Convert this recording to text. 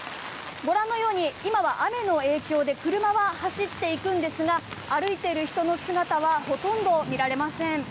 ご覧のように今は雨の影響で車は走っていくんですが歩いてる人の姿はほとんど見られません。